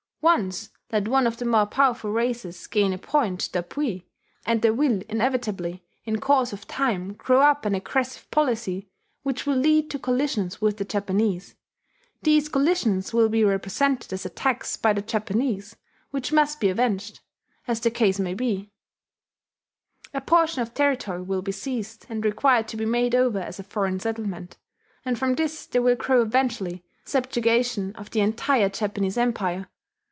Once let one of the more powerful races gain a point d'appui and there will inevitably in course of time grow up an aggressive policy which will lead to collisions with the Japanese; these collisions will be represented as attacks by the Japanese which must be avenged, as the case may be; a portion of territory will be seized and required to be made over as a foreign settlement; and from this there will grow eventually subjugation of the entire Japanese Empire.